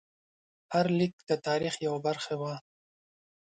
هر لیک د تاریخ یوه برخه وه.